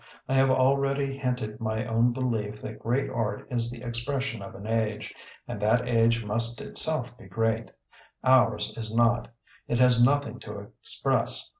I have already hinted my own belief that great art is the ex pression of an age, and that age must itself be great Ours is not; it has nothing to express.